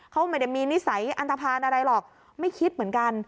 เขาไม่ได้มีนิสัยอันทภาณอะไรหรอกไม่คิดเหมือนกัน